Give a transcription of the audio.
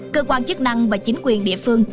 cơ quan chức năng và chính quyền địa phương